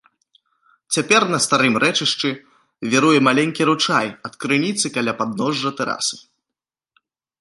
Цяпер на старым рэчышчы віруе маленькі ручай ад крыніцы каля падножжа тэрасы.